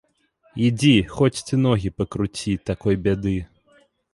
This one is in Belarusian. Ідзі, хоць ты ногі пакруці, такой бяды.